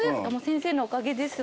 先生のおかげですわ。